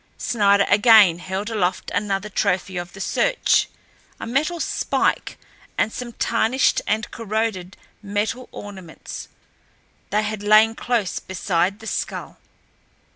Snider again held aloft another trophy of the search—a metal spike and some tarnished and corroded metal ornaments. They had lain close beside the skull.